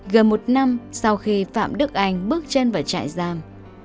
gần một năm sau khi phạm đức anh bước chân vào trại giam